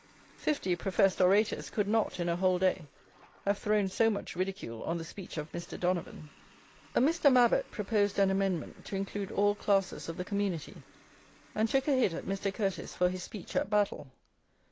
Fifty professed orators could not, in a whole day, have thrown so much ridicule on the speech of Mr. Donavon. A Mr. Mabbott proposed an amendment to include all classes of the community, and took a hit at Mr. Curteis for his speech at Battle.